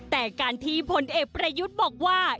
แต่การที่ผลเอกประยุทธ์บอกว่า